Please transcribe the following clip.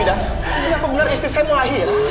ibu nggak kebenar istri saya mau lahir